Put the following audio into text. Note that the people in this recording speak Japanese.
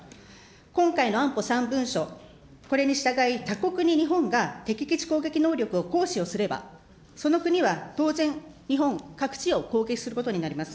今回の安保３文書、これに従い、他国に日本が敵基地攻撃能力を行使をすれば、その国は当然、日本各地を攻撃することになります。